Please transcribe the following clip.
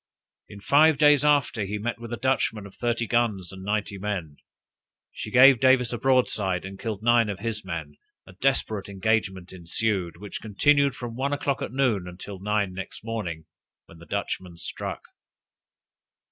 In five days after he met with a Dutchman of thirty guns and ninety men. She gave Davis a broadside, and killed nine of his men; a desperate engagement ensued, which continued from one o'clock at noon until nine next morning, when the Dutchman struck.